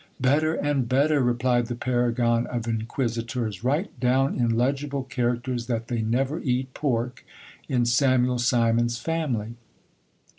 Better and better ! replied the paragon of inquisitors : write down in legible characters that they never eai pork in Samuel Simon's family.